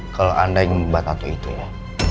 kalau anda ingin membuat tatu itu ya